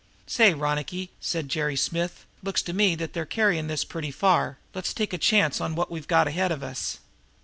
"Say, Ronicky," said Jerry Smith, "looks to me that you're carrying this pretty far. Let's take a chance on what we've got ahead of us?"